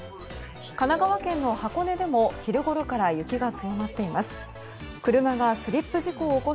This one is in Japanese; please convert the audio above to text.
神奈川県の箱根でも昼ごろから雪が積もっています。